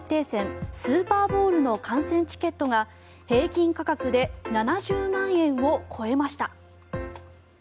戦スーパーボウルの観戦チケットが平均価格で７０万円を超えました。